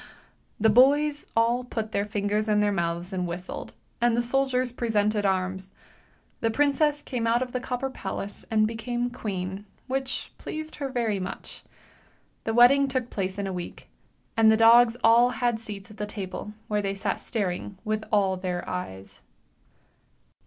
" The boys all put their fingers in their mouths and whistled, and the soldiers presented arms. The princess came out of the copper palace and became queen, which pleased her very much. The wedding took place in a week, and the dogs all had seats at the table, where they sat staring with all their eyes.